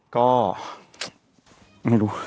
ก็ไม่รู้